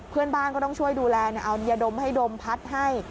เพื่อนบ้านก็ต้องช่วยดูแลเอายาดมให้ดมพัดให้